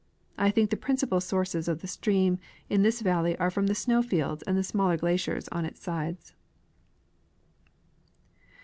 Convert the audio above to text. I think the principal sources of the stream in this valley are from the snow fields and smaller glaciers on its sides.